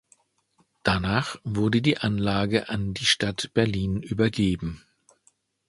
Danach wurde die Anlage an die Stadt Berlin übergeben.